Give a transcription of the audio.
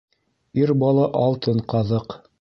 Ир бала алтын ҡаҙыҡ.